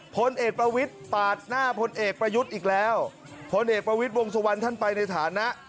พลเอกประวิชวงศ์สวรรค์ท่านไปในฐานะ